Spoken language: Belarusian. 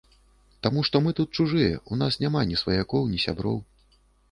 Таму што мы тут чужыя, у нас няма ні сваякоў, ні сяброў.